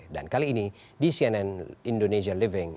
dan kali ini di cnn indonesia living